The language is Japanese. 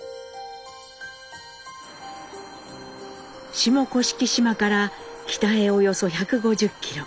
下甑島から北へおよそ１５０キロ